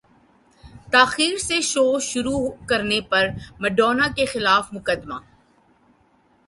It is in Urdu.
تاخیر سے شو شروع کرنے پر میڈونا کے خلاف مقدمہ